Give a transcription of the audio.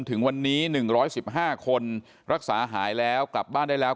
ถึงวันนี้หนึ่งร้อยสิบห้าคนรักษาหายแล้วกลับบ้านได้แล้ว